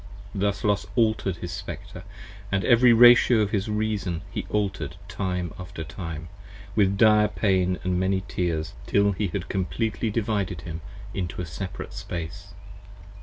50 Thus Los alter'd his Spectre, & every Ratio of his Reason He alter'd time after time, with dire pain & many tears, Till he had completely divided him into a separate space.